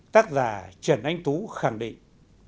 tác giả trần anh tú khẳng định